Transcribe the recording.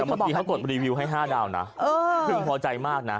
แต่เมื่อกี้เขากดรีวิวให้๕ดาวนะพึงพอใจมากนะ